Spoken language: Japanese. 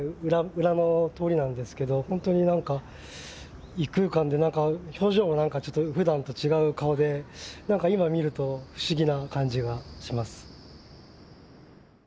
裏の通りなんですけどほんとに何か異空間で表情も何かちょっとふだんと違う顔で何か今見ると不思議な感じがします。